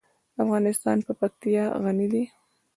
افغانستان په پکتیا غني دی.